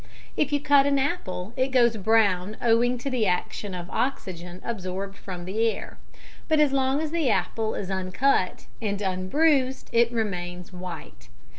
If you cut an apple it goes brown owing to the action of oxygen absorbed from the air, but as long as the apple is uncut and unbruised it remains white.